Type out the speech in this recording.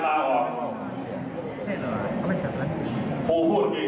๔๙๒อย่าง